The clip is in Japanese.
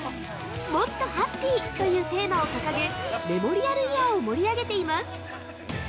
「もっと、Ｈａｐｐｙ」というテーマを掲げ、メモリアルイヤーを盛り上げています。